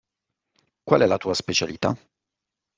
Qual è la tua specialità?